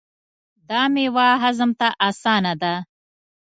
دا میوه هضم ته اسانه ده.